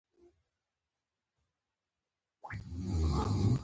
د ماشیني او الګوریتمیکي نړۍ څخه لیري